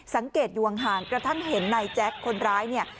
สังเกตยวงห่างกระทั่งเห็นในแจ๊กคนร้าย